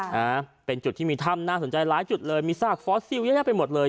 นะฮะเป็นจุดที่มีถ้ำน่าสนใจหลายจุดเลยมีซากฟอสซิลเยอะแยะไปหมดเลย